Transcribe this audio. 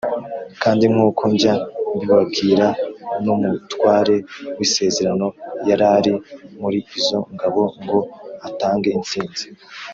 kandi nkuko njya mbibabwira, n'umutware w'isezerano yarari muri izo ngabo ngo atange intsinzi.